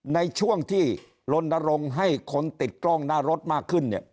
ในช่วงที่ลนรงค์ให้คนติดกล้องหน้ารถมากขึ้น